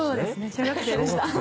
小学生でした。